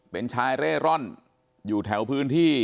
เป็นชายเร่ร่อนอยู่แถวพื้นที่